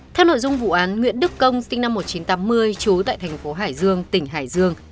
theo nội dung vụ án nguyễn đức công sinh năm một nghìn chín trăm tám mươi trú tại thành phố hải dương tỉnh hải dương